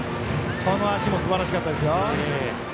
この足もすばらしかったですよ。